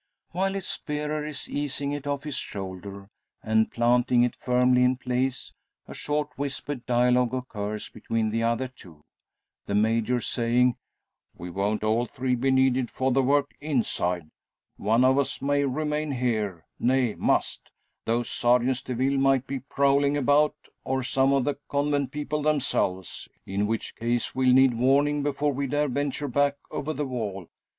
While its bearer is easing it off his shoulders, and planting it firmly in place, a short whispered dialogue occurs between the other two, the Major saying "We won't all three be needed for the work inside. One of us may remain here nay, must! Those sergens de ville might be prowling about, or some of the convent people themselves: in which case we'll need warning before we dare venture back over the wall.